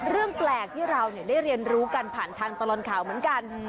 เรื่องแปลกที่เราได้เรียนรู้กันผ่านทางตลอดข่าวเหมือนกัน